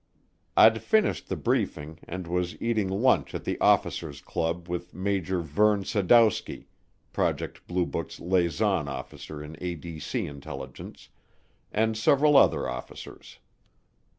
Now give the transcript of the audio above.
I'd finished the briefing and was eating lunch at the officers' club with Major Verne Sadowski, Project Blue Book's liaison officer in ADC Intelligence, and several other officers.